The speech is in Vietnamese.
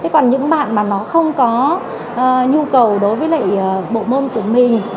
còn những bạn mà nó không có nhu cầu đối với lại bộ môn của mình